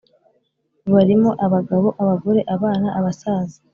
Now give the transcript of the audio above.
barimo abagabo, abagore, abana, abasaza,